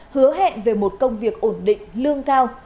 hứa hẹn về một công việc ổn định lương cao